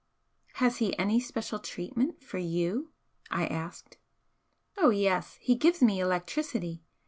"Has he any special treatment for you?" I asked. "Oh yes, he gives me electricity.